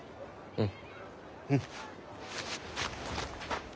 うん。